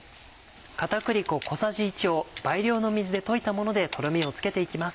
片栗粉小さじ１を倍量の水で溶いたものでとろみをつけて行きます。